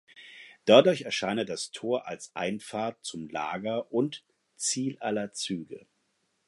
Dadurch erscheine das Tor als Einfahrt zum Lager und „Ziel aller Züge“.